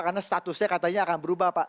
karena statusnya katanya akan berubah pak